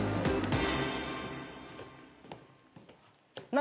何？